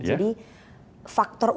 jadi faktor utama